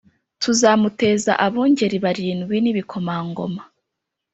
Tuzamuteze abungeri barindwi n ibikomangoma.